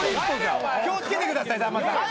気を付けてくださいさんまさん。